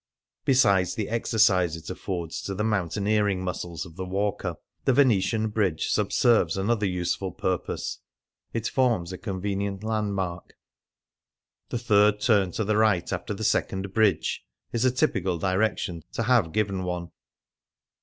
Besides the exercise it affords to the moun taineering muscles of the walker, the Venetian bridge subserves another useful purpose; it forms a convenient landmark. "The third turn to the right after the second bridge'" is a typical direction to have given one.